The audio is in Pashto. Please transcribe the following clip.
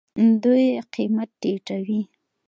دوی قیمت ټیټوي.